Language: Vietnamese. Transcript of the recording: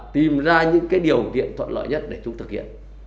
tìm ra những điều viện thuận lợi nhất để chúng thực hiện